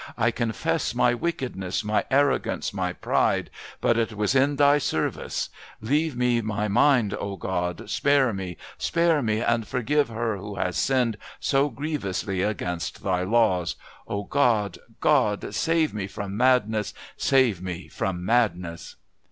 I confess my wickedness, my arrogance, my pride, but it was in Thy service. Leave me my mind. Oh, God, spare me, spare me, and forgive her who has sinned so grievously against Thy laws. Oh, God, God, save me from madness, save me from madness."